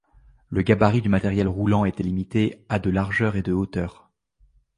Le gabarit du matériel roulant était limité à de largeur et de hauteur.